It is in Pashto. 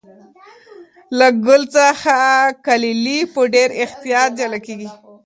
له ګل څخه کلالې په ډېر احتیاط جلا کېږي.